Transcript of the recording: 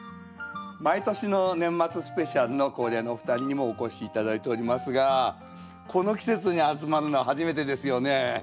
毎年の年末スペシャルの恒例のお二人にもお越し頂いておりますがこの季節に集まるのは初めてですよね。